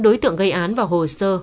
đối tượng gây án vào hồ sơ